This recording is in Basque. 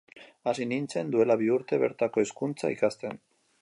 Hasi nintzen, duela bi urte, bertako hizkuntza ikasten.